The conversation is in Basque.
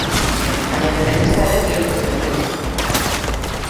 Baina telebista ere bihotzez maite dut.